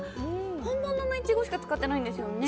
本物のイチゴしか使ってないんですよね。